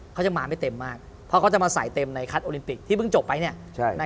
เขาจะมาไม่เต็มมากเพราะเขาจะมาใส่เต็มในคัดโอลิมปิกที่เพิ่งจบไปเนี่ย